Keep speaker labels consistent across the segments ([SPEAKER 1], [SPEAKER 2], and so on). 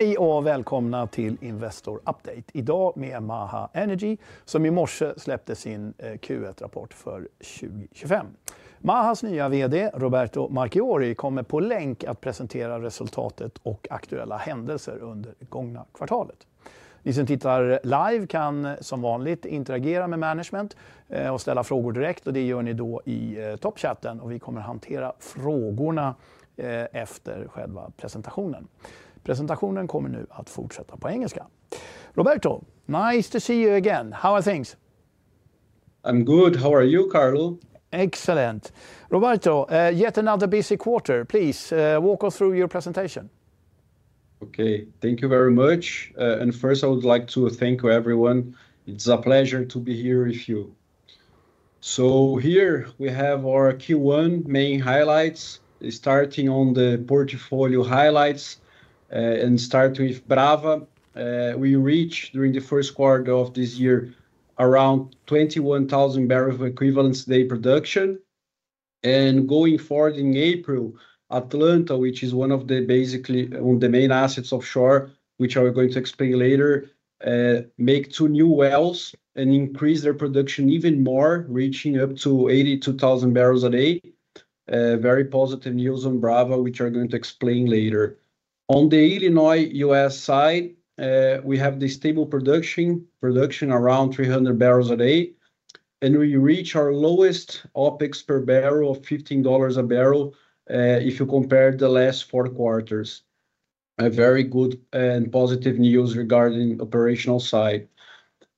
[SPEAKER 1] Hej och välkomna till Investor Update. Idag med Maha Energy, som i morse släppte sin Q1-rapport för 2025. Mahas nya vd, Roberto Marchiori, kommer på länk att presentera resultatet och aktuella händelser under det gångna kvartalet. Ni som tittar live kan som vanligt interagera med management och ställa frågor direkt. Det gör ni då i toppchatten, och vi kommer att hantera frågorna efter själva presentationen. Presentationen kommer nu att fortsätta på engelska. Roberto, nice to see you again. How are things?
[SPEAKER 2] I'm good. How are you, Carlo?
[SPEAKER 1] Excellent. Roberto, we've had another busy quarter, please. Walk us through your presentation.
[SPEAKER 2] Okay, thank you very much. And first, I would like to thank everyone. It's a pleasure to be here with you. So here we have our Q1 main highlights, starting on the portfolio highlights and starting with Brava. We reached during the first quarter of this year around 21,000 barrels of oil equivalent per day production. And going forward in April, Atlanta, which is one of the main assets offshore, which I'm going to explain later, made two new wells and increased their production even more, reaching up to 82,000 barrels a day. Very positive news on Brava, which I'm going to explain later. On the Illinois-U.S. side, we have the stable production, production around 300 barrels a day. And we reached our lowest OpEx per barrel of $15 a barrel if you compare the last four quarters. Very good and positive news regarding operational side.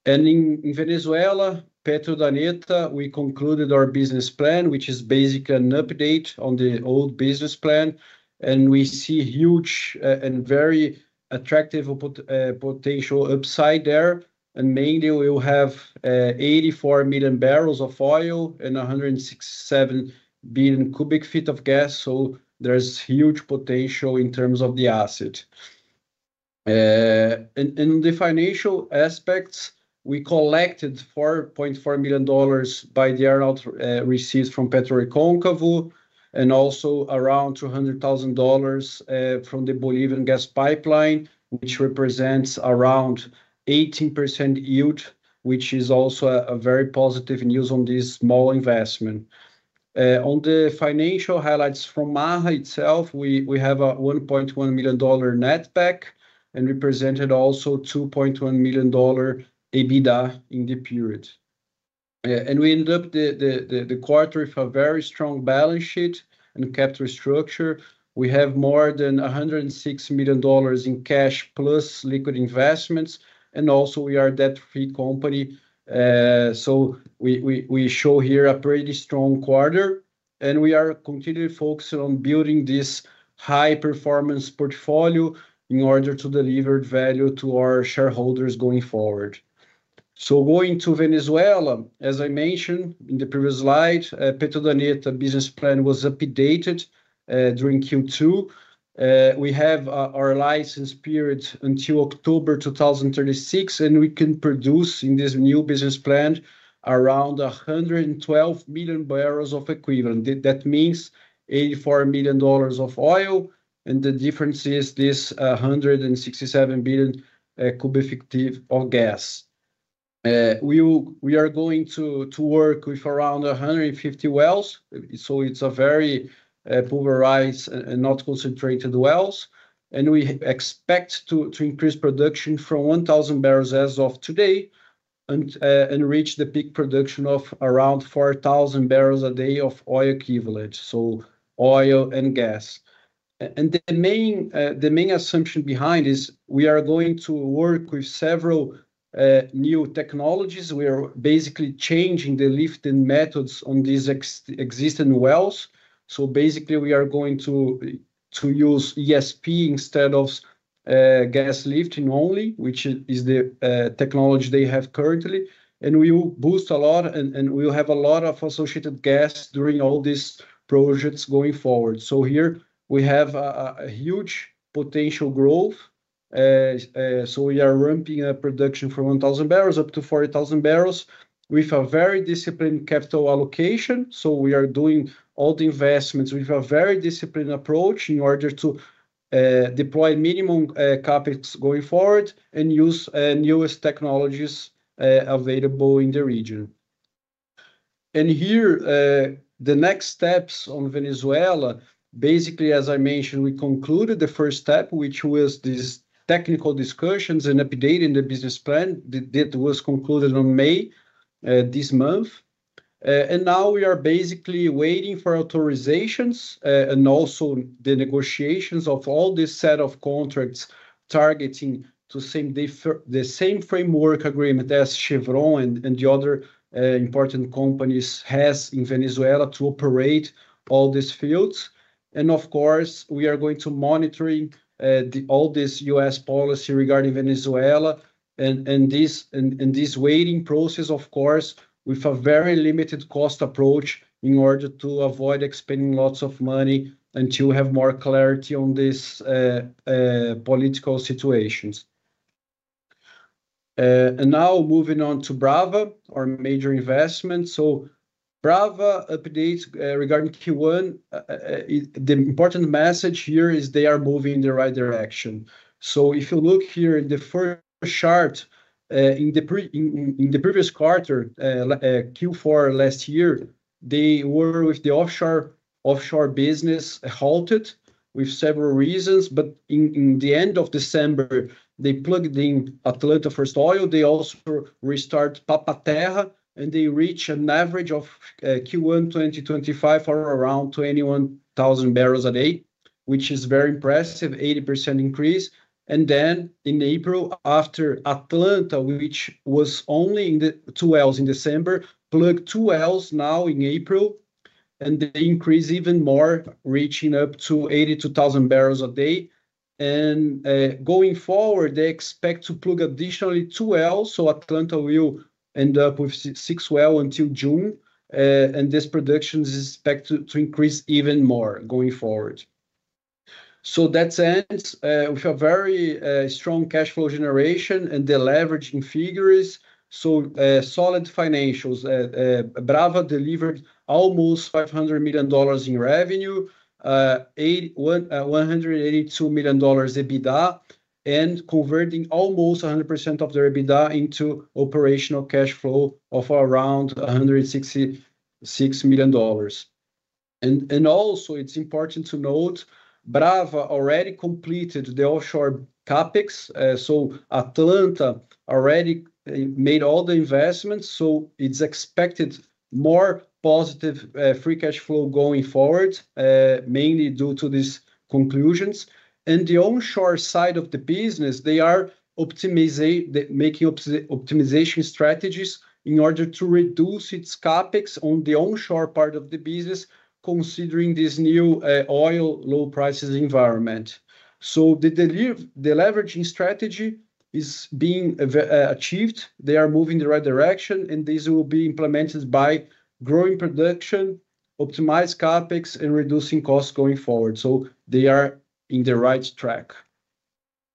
[SPEAKER 2] And in Venezuela, PetroUrdaneta, we concluded our business plan, which is basically an update on the old business plan. And we see huge and very attractive potential upside there. And mainly, we will have 84 million barrels of oil and 167 million cubic feet of gas. So there's huge potential in terms of the asset. And in the financial aspects, we collected $4.4 million by the earnout receipts from PetroRecôncavo and also around $200,000 from the Bolivian gas pipeline, which represents around 18% yield, which is also very positive news on this small investment. On the financial highlights from Maha itself, we have a $1.1 million netback and represented also $2.1 million EBITDA in the period. And we ended up the quarter with a very strong balance sheet and capital structure. We have more than $106 million in cash plus liquid investments. Also, we are a debt-free company. We show here a pretty strong quarter. We are continually focused on building this high-performance portfolio in order to deliver value to our shareholders going forward. Going to Venezuela, as I mentioned in the previous slide, PetroUrdaneta business plan was updated during Q2. We have our license period until October 2036, and we can produce in this new business plan around 112 million barrels of oil equivalent. That means 84 million barrels of oil. The difference is this 167 billion cubic feet of gas. We are going to work with around 150 wells. It's a very pulverized and not concentrated wells. We expect to increase production from 1,000 barrels as of today and reach the peak production of around 4,000 barrels a day of oil equivalent, so oil and gas. And the main assumption behind is we are going to work with several new technologies. We are basically changing the lifting methods on these existing wells. So basically, we are going to use ESP instead of gas lifting only, which is the technology they have currently. And we will boost a lot, and we will have a lot of associated gas during all these projects going forward. So here we have a huge potential growth. So we are ramping up production from 1,000-40,000 barrels with a very disciplined capital allocation. So we are doing all the investments with a very disciplined approach in order to deploy minimum Capex going forward and use newest technologies available in the region. And here, the next steps on Venezuela, basically, as I mentioned, we concluded the first step, which was these technical discussions and updating the business plan. That was concluded in May, this month. And now we are basically waiting for authorizations and also the negotiations of all this set of contracts targeting the same framework agreement as Chevron and the other important companies have in Venezuela to operate all these fields. And of course, we are going to monitor all this U.S. policy regarding Venezuela and this waiting process, of course, with a very limited cost approach in order to avoid expending lots of money until we have more clarity on these political situations. And now moving on to Brava, our major investment. So Brava, updates regarding Q1, the important message here is they are moving in the right direction. So if you look here in the first chart, in the previous quarter, Q4 last year, they were with the offshore business halted with several reasons. But in the end of December, they plugged in Atlanta first oil. They also restarted Papa-Terra, and they reached an average of Q1 2025 for around 21,000 barrels a day, which is very impressive, an 80% increase. And then in April, after Atlanta, which was only two wells in December, plugged two wells now in April, and they increased even more, reaching up to 82,000 barrels a day. And going forward, they expect to plug additionally two wells. So Atlanta will end up with six wells until June. And this production is expected to increase even more going forward. So that's it. We have very strong cash flow generation and the leveraging figures. So solid financials. Brava delivered almost $500 million in revenue, $182 million EBITDA, and converting almost 100% of their EBITDA into operational cash flow of around $166 million. Also, it's important to note Brava already completed the offshore Capex. Atlanta already made all the investments. It's expected more positive free cash flow going forward, mainly due to these conclusions. The onshore side of the business, they are optimizing optimization strategies in order to reduce its Capex on the onshore part of the business, considering this new oil low prices environment. The leveraging strategy is being achieved. They are moving in the right direction, and this will be implemented by growing production, optimized Capex, and reducing costs going forward. They are in the right track.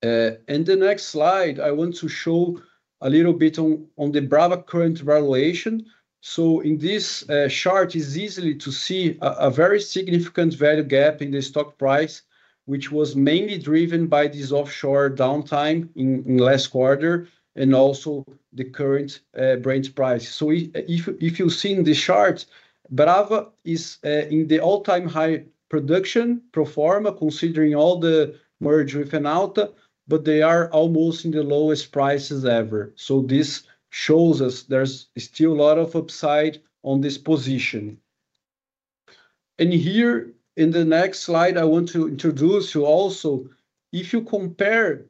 [SPEAKER 2] The next slide, I want to show a little bit on the Brava current valuation. So in this chart, it's easy to see a very significant value gap in the stock price, which was mainly driven by this offshore downtime in the last quarter and also the current Brent price. So if you see in the chart, Brava is in the all-time high production pro forma, considering all the merger with Enauta, but they are almost in the lowest prices ever. So this shows us there's still a lot of upside on this position. And here, in the next slide, I want to introduce you also, if you compare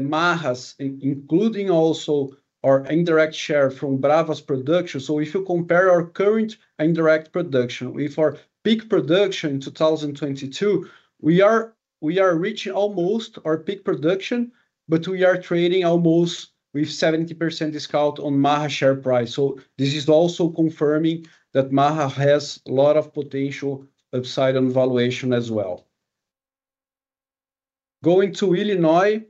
[SPEAKER 2] Maha's, including also our indirect share from Brava's production, so if you compare our current indirect production, with our peak production in 2022, we are reaching almost our peak production, but we are trading almost with 70% discount on Maha's share price. So this is also confirming that Maha has a lot of potential upside on valuation as well. Going to Illinois,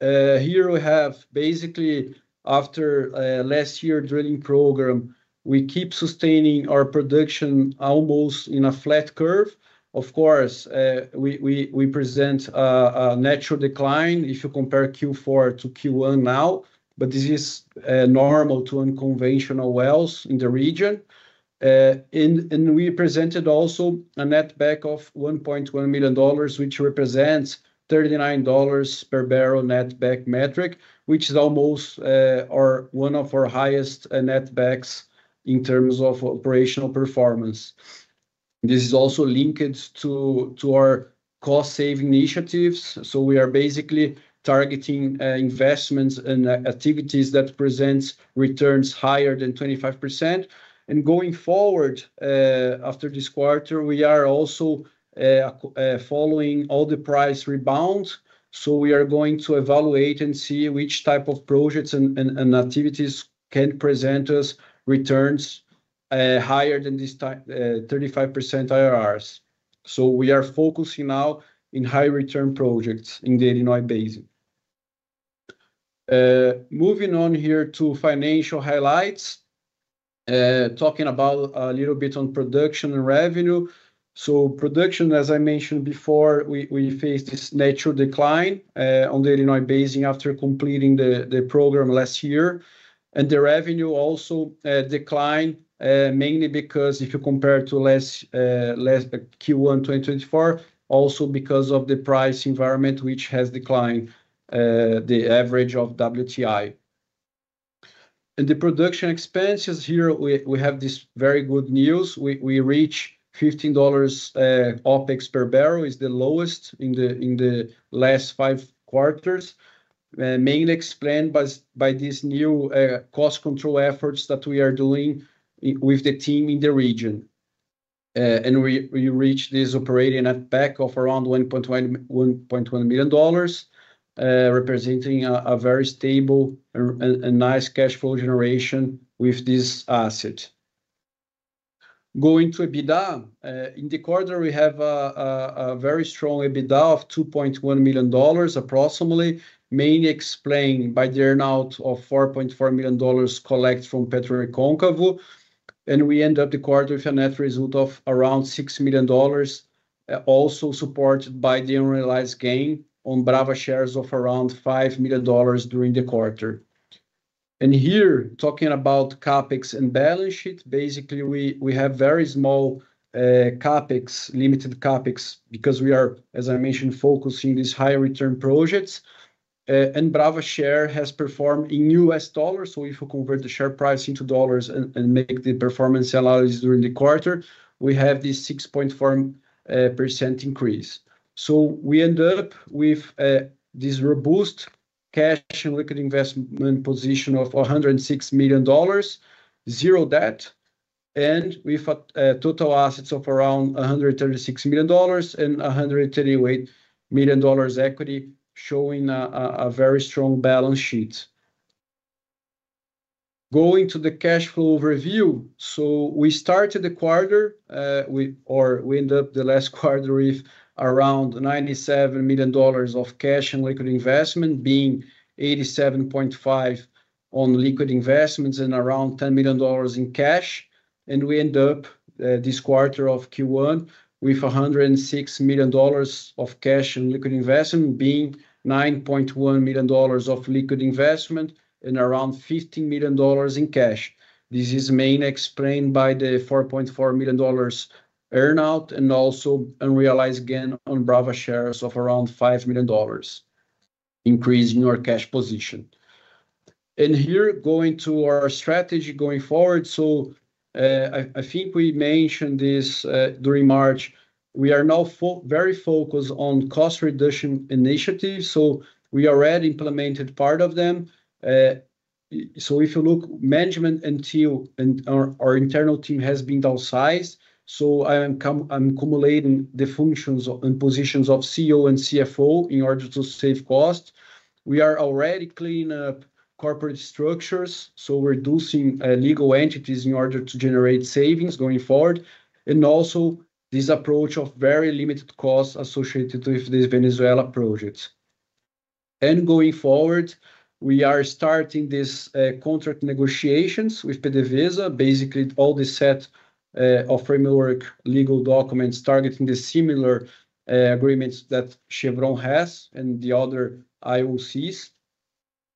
[SPEAKER 2] here we have basically after last year's drilling program, we keep sustaining our production almost in a flat curve. Of course, we present a natural decline if you compare Q4 to Q1 now, but this is normal to unconventional wells in the region. And we presented also a netback of $1.1 million, which represents $39 per barrel netback metric, which is almost one of our highest netbacks in terms of operational performance. This is also linked to our cost-saving initiatives. So we are basically targeting investments and activities that present returns higher than 25%. And going forward, after this quarter, we are also following all the price rebounds. We are going to evaluate and see which type of projects and activities can present us returns higher than this 35% IRRs. We are focusing now on high-return projects in the Illinois Basin. Moving on here to financial highlights, talking about a little bit on production and revenue. Production, as I mentioned before, we faced this natural decline on the Illinois Basin after completing the program last year. The revenue also declined, mainly because if you compare to last Q1 2024, also because of the price environment, which has declined the average of WTI. The production expenses here, we have this very good news. We reached $15 Opex per barrel, which is the lowest in the last five quarters, mainly explained by these new cost control efforts that we are doing with the team in the region. And we reached this operating netback of around $1.1 million, representing a very stable and nice cash flow generation with this asset. Going to EBITDA, in the quarter, we have a very strong EBITDA of $2.1 million approximately, mainly explained by the earnout of $4.4 million collected from PetroRecôncavo. And we ended the quarter with a net result of around $6 million, also supported by the unrealized gain on Brava shares of around $5 million during the quarter. And here, talking about CapEx and balance sheet, basically, we have very small CapEx, limited CapEx, because we are, as I mentioned, focusing on these high-return projects. And Brava share has performed in U.S. dollars. So if you convert the share price into dollars and make the performance analysis during the quarter, we have this 6.4% increase. So we end up with this robust cash and liquid investment position of $106 million, zero debt, and we have total assets of around $136 million and $138 million equity, showing a very strong balance sheet. Going to the cash flow overview, so we started the quarter, or we ended up the last quarter with around $97 million of cash and liquid investment, being $87.5 million in liquid investments and around $10 million in cash. And we ended up this quarter of Q1 with $106 million of cash and liquid investment, being $9.1 million in liquid investment and around $15 million in cash. This is mainly explained by the $4.4 million earnout and also unrealized gain on Brava shares of around $5 million increase in our cash position. Here, going to our strategy going forward. I think we mentioned this during March. We are now very focused on cost reduction initiatives. We already implemented part of them. If you look, management and our internal team has been downsized. I'm accumulating the functions and positions of CEO and CFO in order to save costs. We are already cleaning up corporate structures, so reducing legal entities in order to generate savings going forward. Also this approach of very limited costs associated with these Venezuela projects. Going forward, we are starting these contract negotiations with PDVSA, basically all the set of framework legal documents targeting the similar agreements that Chevron has and the other IOCs.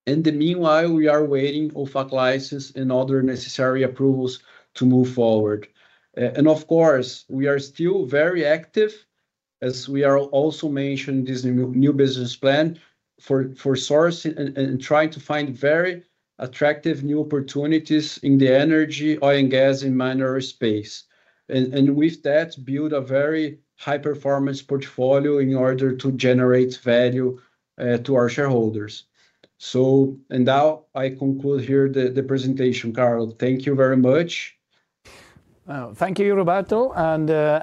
[SPEAKER 2] Meanwhile, we are waiting for OOFAC license and other necessary approvals to move forward. Of course, we are still very active, as we are also mentioned in this new business plan for sourcing and trying to find very attractive new opportunities in the energy, oil, and gas and minerals space. With that, build a very high-performance portfolio in order to generate value to our shareholders. Now I conclude here the presentation, Carlo. Thank you very much.
[SPEAKER 1] Thank you, Roberto.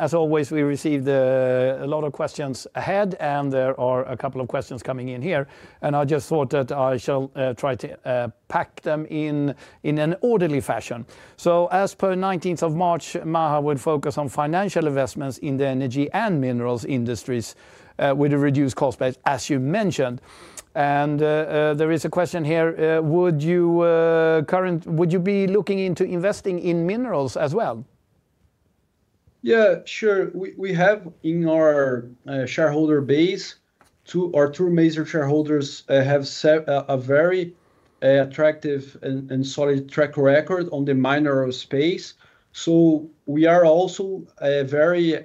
[SPEAKER 1] As always, we received a lot of questions ahead, and there are a couple of questions coming in here. I just thought that I shall try to tackle them in an orderly fashion. As per 19th of March, Maha would focus on financial investments in the energy and minerals industries with a reduced cost base, as you mentioned. There is a question here. Would you be looking into investing in minerals as well?
[SPEAKER 2] Yeah, sure. We have in our shareholder base, our two major shareholders have a very attractive and solid track record on the mineral space. So we are also very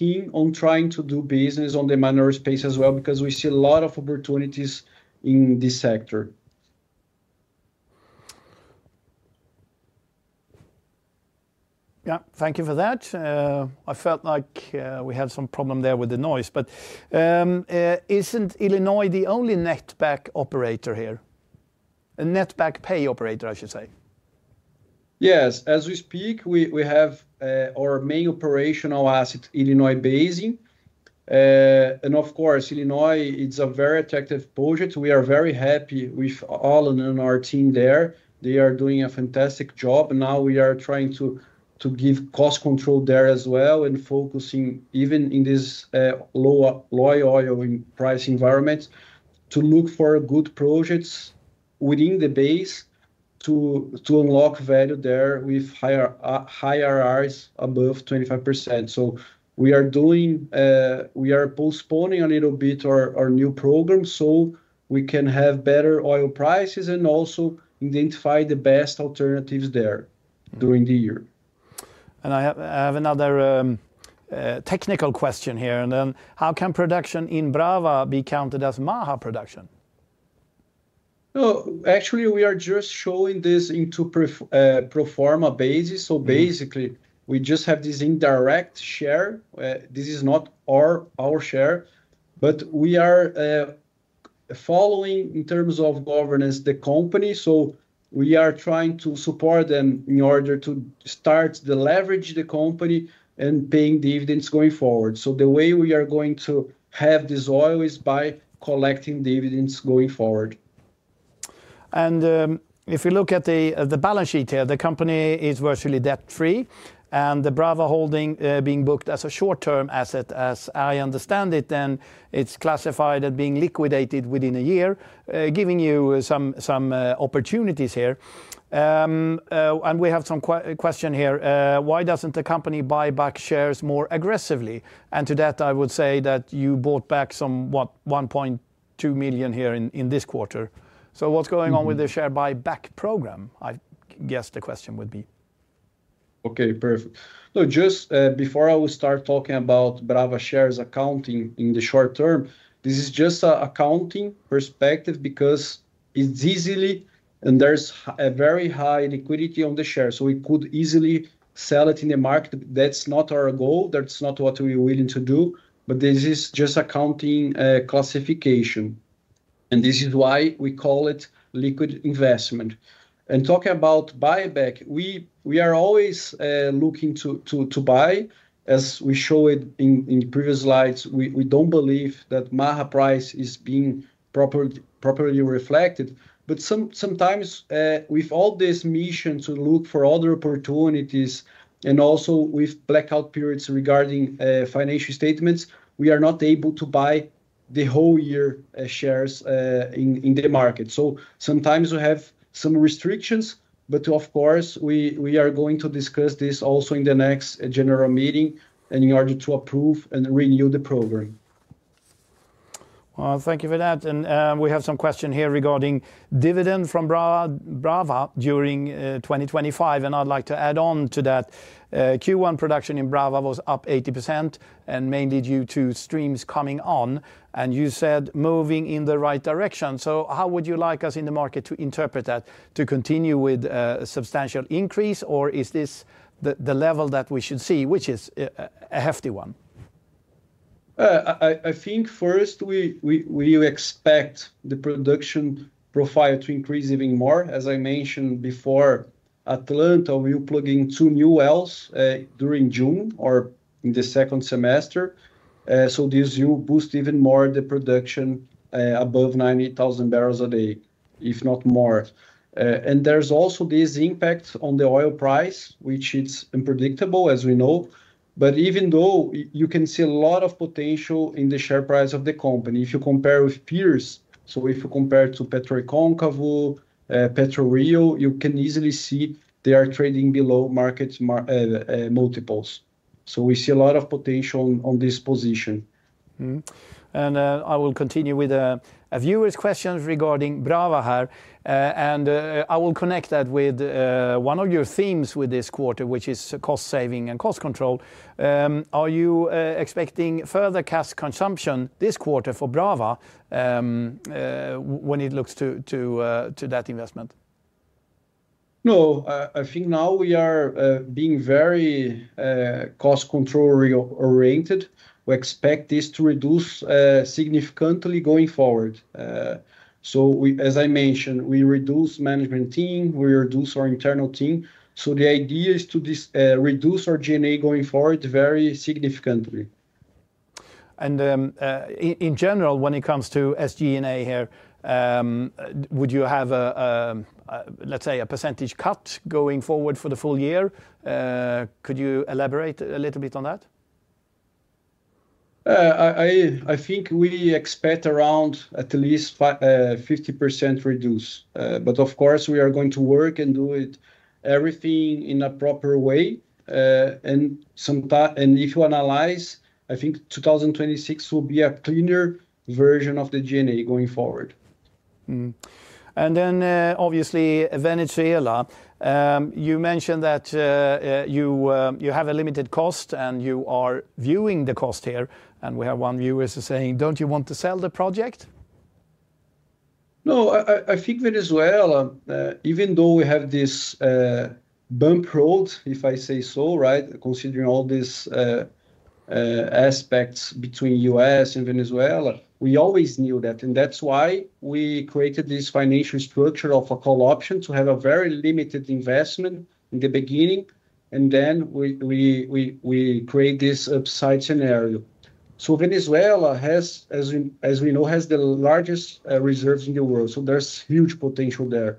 [SPEAKER 2] keen on trying to do business on the mineral space as well because we see a lot of opportunities in this sector.
[SPEAKER 1] Yeah, thank you for that. I felt like we had some problem there with the noise. But isn't Illinois the only netback operator here? A netback pay operator, I should say.
[SPEAKER 2] Yes, as we speak, we have our main operational asset, Illinois Basin. And of course, Illinois, it's a very attractive project. We are very happy with Alan and our team there. They are doing a fantastic job. Now we are trying to give cost control there as well and focusing even in this low oil price environment to look for good projects within the basin to unlock value there with higher IRRs above 25%. So we are postponing a little bit our new program so we can have better oil prices and also identify the best alternatives there during the year.
[SPEAKER 1] And I have another technical question here. And then how can production in Brava be counted as Maha production?
[SPEAKER 2] Well, actually, we are just showing this on a pro forma basis. So basically, we just have this indirect share. This is not our share, but we are following in terms of governance the company. So we are trying to support them in order to start the leverage of the company and paying dividends going forward. So the way we are going to have this oil is by collecting dividends going forward.
[SPEAKER 1] And if we look at the balance sheet here, the company is virtually debt-free. And the Brava Holding being booked as a short-term asset, as I understand it, then it's classified as being liquidated within a year, giving you some opportunities here. And we have some question here. Why doesn't the company buyback shares more aggressively? And to that, I would say that you bought back some, what, 1.2 million here in this quarter. So what's going on with the share buyback program, I guess the question would be.
[SPEAKER 2] Okay, perfect. So just before I will start talking about Brava shares accounting in the short term, this is just an accounting perspective because it's easily and there's a very high liquidity on the shares. So we could easily sell it in the market. That's not our goal. That's not what we're willing to do. But this is just accounting classification. And this is why we call it liquid investment. And talking about buyback, we are always looking to buy. As we showed in previous slides, we don't believe that Maha price is being properly reflected. But sometimes, with all this mission to look for other opportunities and also with blackout periods regarding financial statements, we are not able to buy the whole year shares in the market. So sometimes we have some restrictions, but of course, we are going to discuss this also in the next general meeting in order to approve and renew the program.
[SPEAKER 1] Thank you for that. And we have some question here regarding dividend from Brava during 2025. And I'd like to add on to that. Q1 production in Brava was up 80% and mainly due to streams coming on. And you said moving in the right direction. So how would you like us in the market to interpret that? To continue with a substantial increase? Or is this the level that we should see, which is a hefty one?
[SPEAKER 2] I think first we expect the production profile to increase even more. As I mentioned before, Atlanta will plug in two new wells during June or in the second semester. So this will boost even more the production above 90,000 barrels a day, if not more. And there's also this impact on the oil price, which is unpredictable, as we know. But even though you can see a lot of potential in the share price of the company, if you compare with peers, so if you compare to PetroRecôncavo, PetroRio, you can easily see they are trading below market multiples. So we see a lot of potential on this position.
[SPEAKER 1] And I will continue with viewers' questions regarding Brava here. And I will connect that with one of your themes with this quarter, which is cost saving and cost control. Are you expecting further cash consumption this quarter for Brava when it looks to that investment?
[SPEAKER 2] No, I think now we are being very cost control oriented. We expect this to reduce significantly going forward. So as I mentioned, we reduce management team, we reduce our internal team. So the idea is to reduce our G&A going forward very significantly.
[SPEAKER 1] In general, when it comes to SG&A here, would you have, let's say, a percentage cut going forward for the full year? Could you elaborate a little bit on that?
[SPEAKER 2] I think we expect around at least 50% reduction. But of course, we are going to work and do everything in a proper way. And if you analyze, I think 2026 will be a cleaner version of the G&A going forward. And then obviously, Venezuela, you mentioned that you have a limited costs and you are reviewing the costs here. And we have one viewer saying, don't you want to sell the project? No, I think Venezuela, even though we have this bumpy road, if I say so, right, considering all these aspects between the U.S. and Venezuela, we always knew that. That's why we created this financial structure of a call option to have a very limited investment in the beginning. Then we create this upside scenario. Venezuela, as we know, has the largest reserves in the world. There's huge potential there.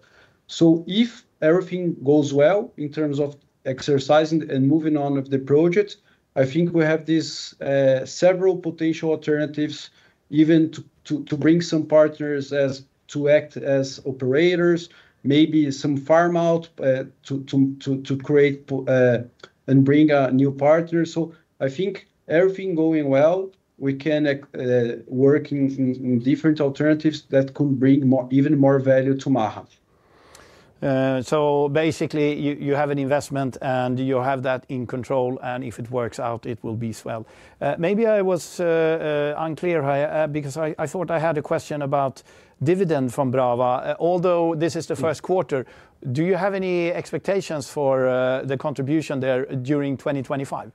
[SPEAKER 2] If everything goes well in terms of exercising and moving on of the project, I think we have several potential alternatives even to bring some partners to act as operators, maybe some farm out to create and bring a new partner. Everything going well, we can work in different alternatives that could bring even more value to Maha.
[SPEAKER 1] Basically, you have an investment and you have that in control. If it works out, it will be swell. Maybe I was unclear because I thought I had a question about dividend from Brava. Although this is the first quarter, do you have any expectations for the contribution there during 2025?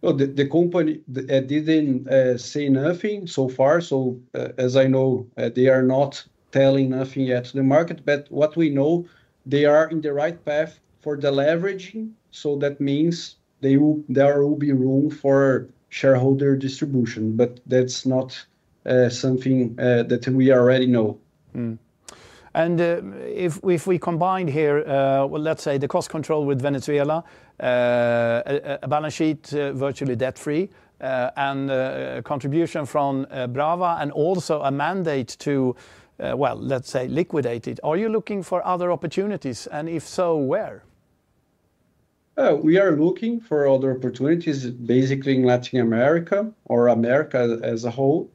[SPEAKER 2] The company didn't say nothing so far, so as I know, they are not telling nothing yet to the market, but what we know, they are in the right path for the leveraging, so that means there will be room for shareholder distribution, but that's not something that we already know, and if we combine here, let's say the cost control with Venezuela, a balance sheet virtually debt-free and contribution from Brava, and also a mandate to, well, let's say liquidate it, are you looking for other opportunities? And if so, where? We are looking for other opportunities basically in Latin America or America as a whole,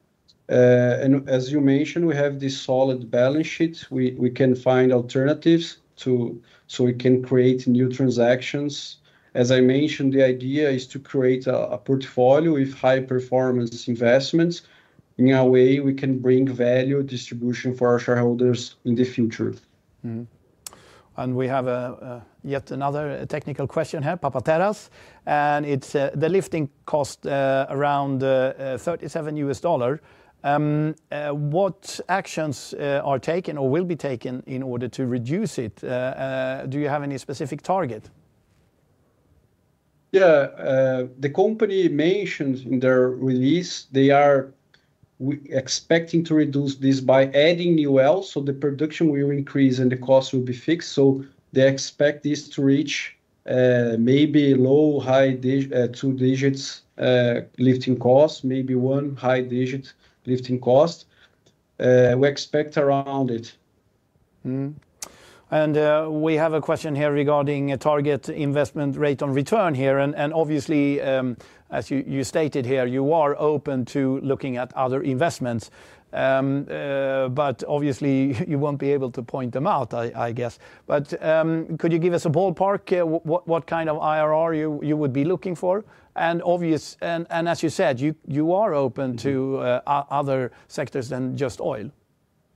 [SPEAKER 2] and as you mentioned, we have this solid balance sheet. We can find alternatives so we can create new transactions. As I mentioned, the idea is to create a portfolio with high-performance investments. In a way, we can bring value distribution for our shareholders in the future. And we have yet another technical question here, Papa-Terra. And it's the lifting cost around $37. What actions are taken or will be taken in order to reduce it? Do you have any specific target? Yeah, the company mentioned in their release, they are expecting to reduce this by adding new wells. So the production will increase and the cost will be fixed. So they expect this to reach maybe low high two digits lifting cost, maybe one high digit lifting cost. We expect around it.
[SPEAKER 1] And we have a question here regarding a target investment rate on return here. And obviously, as you stated here, you are open to looking at other investments. But obviously, you won't be able to point them out, I guess. But could you give us a ballpark what kind of IRR you would be looking for? And obviously, and as you said, you are open to other sectors than just oil.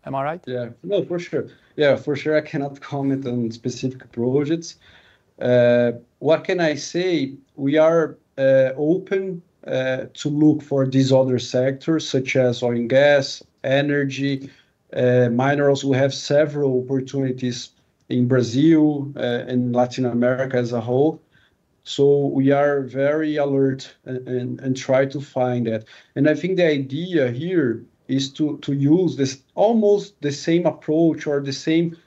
[SPEAKER 1] Am I right?
[SPEAKER 2] Yeah, no, for sure. Yeah, for sure. I cannot comment on specific projects. What can I say? We are open to look for these other sectors such as oil and gas, energy, minerals. We have several opportunities in Brazil and Latin America as a whole. So we are very alert and try to find that. I think the idea here is to use almost the same approach or the same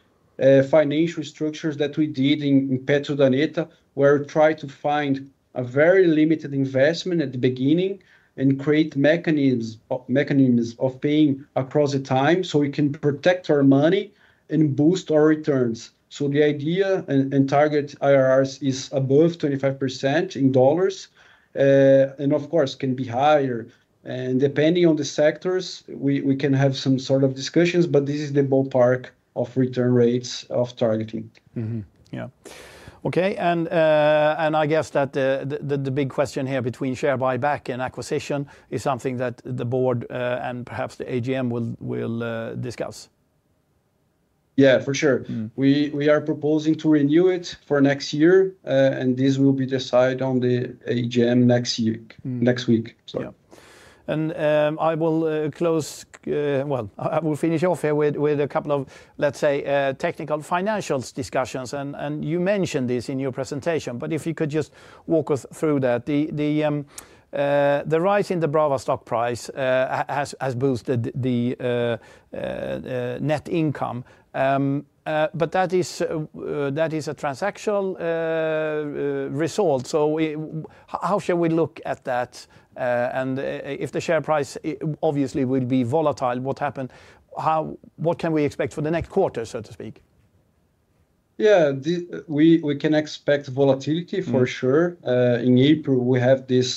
[SPEAKER 2] financial structures that we did in PetroUrdaneta, where we try to find a very limited investment at the beginning and create mechanisms of paying across the time so we can protect our money and boost our returns. The idea and target IRRs is above 25% in dollars. Of course, can be higher. Depending on the sectors, we can have some sort of discussions, but this is the ballpark of return rates of targeting. Yeah. Okay. I guess that the big question here between share buyback and acquisition is something that the board and perhaps the AGM will discuss. Yeah, for sure. We are proposing to renew it for next year. This will be decided on the AGM next week. Yeah.
[SPEAKER 1] And I will close, well, I will finish off here with a couple of, let's say, technical financials discussions. And you mentioned this in your presentation, but if you could just walk us through that. The rise in the Brava stock price has boosted the net income. But that is a transactional result. So how shall we look at that? And if the share price obviously will be volatile, what happened? What can we expect for the next quarter, so to speak?
[SPEAKER 2] Yeah, we can expect volatility for sure. In April, we have the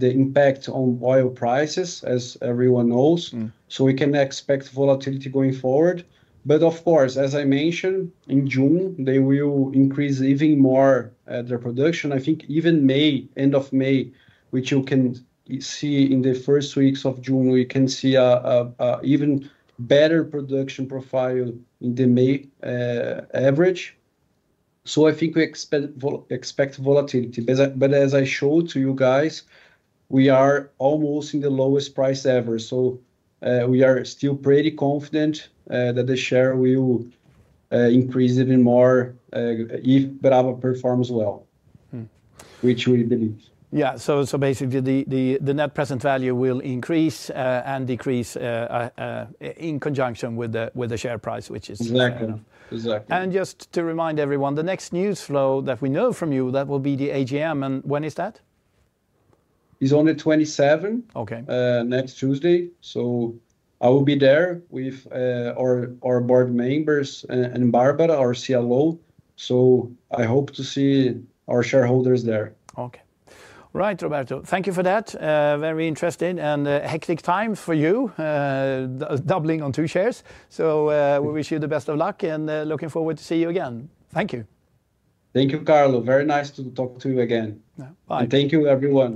[SPEAKER 2] impact on oil prices, as everyone knows. So we can expect volatility going forward. But of course, as I mentioned, in June, they will increase even more their production. I think even May, end of May, which you can see in the first weeks of June, we can see an even better production profile in the May average. So I think we expect volatility. But as I showed to you guys, we are almost in the lowest price ever. So we are still pretty confident that the share will increase even more if Brava performs well, which we believe.
[SPEAKER 1] Yeah. So basically, the net present value will increase and decrease in conjunction with the share price, which is
[SPEAKER 2] exactly.
[SPEAKER 1] And just to remind everyone, the next news flow that we know from you, that will be the AGM. And when is that?
[SPEAKER 2] It's on the 27th, next Tuesday. So I will be there with our board members and Barbara, our CLO. So I hope to see our shareholders there.
[SPEAKER 1] Okay. All right, Roberto, thank you for that. Very interesting and hectic time for you, doubling on two shares. So we wish you the best of luck and looking forward to see you again. Thank you.
[SPEAKER 2] Thank you, Carlo. Very nice to talk to you again. Bye. And thank you, everyone.